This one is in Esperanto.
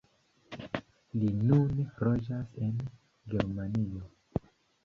Li nune loĝas en Germanio.